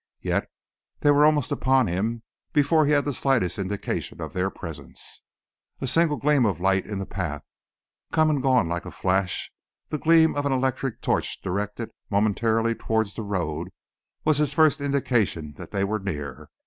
Yet they were almost upon him before he had the slightest indication of their presence. A single gleam of light in the path, come and gone like a flash, the gleam of an electric torch directed momentarily towards the road, was his first indication that they were near.